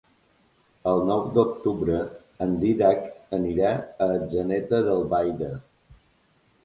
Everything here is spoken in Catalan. El nou d'octubre en Dídac anirà a Atzeneta d'Albaida.